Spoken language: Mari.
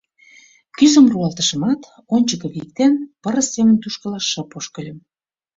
Кӱзым руалтышымат, ончыко виктен, пырыс семын тушкыла шып ошкыльым.